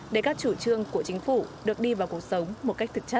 để các chủ trương của chính phủ được đi vào cuộc sống một cách thực chất